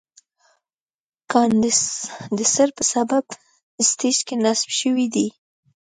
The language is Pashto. کاندنسر په سب سټیج کې نصب شوی دی.